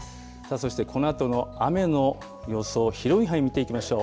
そして、このあとの雨の予想、広い範囲見ていきましょう。